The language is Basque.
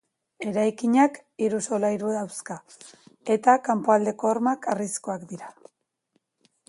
Eraikinak hiru solairu dauzka, eta kanpoaldeko hormak harrizkoak dira.